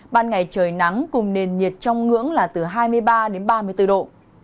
ban ngày trời nắng cùng nền nhiệt trong ngưỡng là từ hai mươi ba đến ba mươi bốn độ